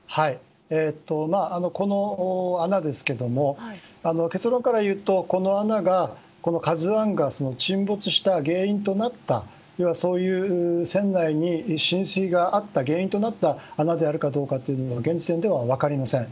この穴ですけども結論から言うとこの穴が「ＫＡＺＵ１」が沈没した原因となった船内に浸水があった原因となった穴であるかどうかは現時点では分かりません。